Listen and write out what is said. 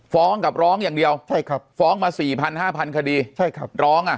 ฟ้องกับร้องอย่างเดียวฟ้องมา๔๐๐๐๕๐๐๐คดีร้องอ่ะใช่ครับ